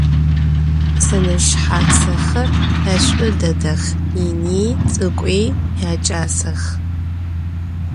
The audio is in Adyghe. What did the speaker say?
Seneşshatsexer eş'u dedex, yini ts'ık'ui yaç'asex.